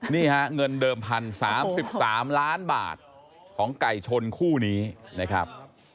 นี่ฮะเงินเดิม๑๐๓๓ล้านบาทของไก่ชนคู่นี้นะครับ